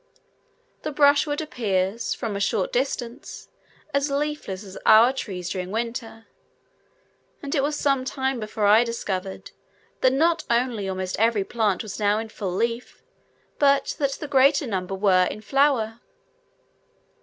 The brushwood appears, from a short distance, as leafless as our trees during winter; and it was some time before I discovered that not only almost every plant was now in full leaf, but that the greater number were in flower.